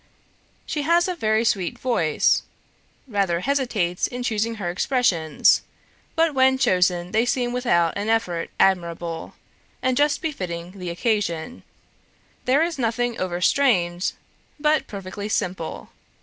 She has a very sweet voice; rather hesitates in choosing her expressions, but when chosen they seem without an effort admirable, and just befitting the occasion; there is nothing overstrained, but perfectly simple.